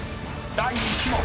第１問］